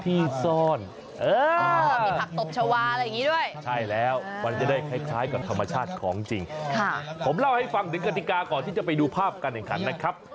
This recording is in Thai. ผมเล่าให้ฟังถึงกฎิกาก่อนที่จะไปดูภาพกันนะครับ